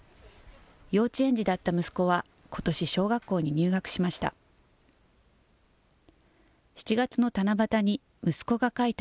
幼稚園児だった息子はことし小学校に入学しました。